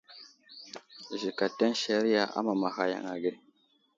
Zik ateŋ seriya amamaghay yaŋ age.